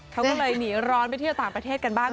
เขาก็เลยหนีร้อนไปเที่ยวต่างประเทศกันบ้าง